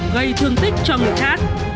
gây thương tích cho người khác